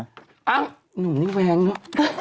อ้าวหนุ่มนี่แว้งเนอะ